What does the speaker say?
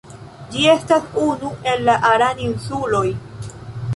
Ĝi estas unu el la Aran-insuloj.